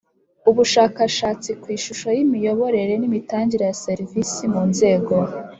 Ubushakashatsi ku ishusho y imiyoborere n imitangire ya serivisi mu nzego